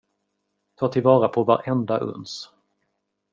Ta till vara på varenda uns.